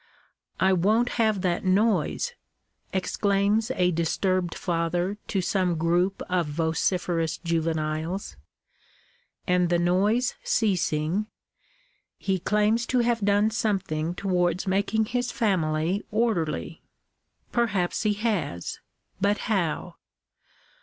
" I won't have that noise !" exclaims a disturbed father to some group of vociferous juveniles : and the noise ceasing, he claims to have done something to wards making his family orderly. Perhaps he has ; but how